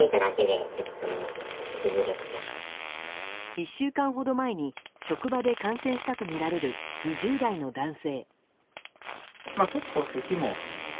１週間ほど前に職場で感染したとみられる２０代の男性。